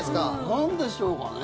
なんでしょうかね。